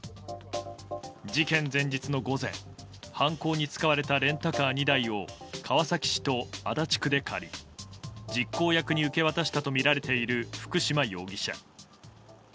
事件前日の午前犯行に使われたレンタカー２台を川崎市と足立区で借り実行役に受け渡したとみられている、福島容疑者。